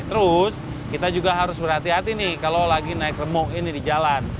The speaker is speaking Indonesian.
terus kita juga harus berhati hati nih kalau lagi naik remok ini di jalan